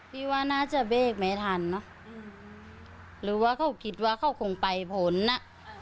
พี่ว่าน่าจะเบรกไม่ทันเนอะหรือว่าเขาคิดว่าเขาคงไปผลอ่ะ